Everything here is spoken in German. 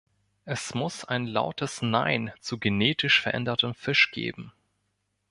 Es muss ein lautes "Nein" zu genetisch verändertem Fisch geben.